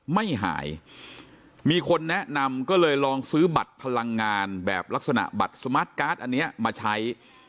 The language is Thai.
ไม่หายมีคนแนะนำก็เลยลองซื้อบัตรพลังงานแบบลักษณะบัตรสมาร์ทการ์ดอันนี้มาใช้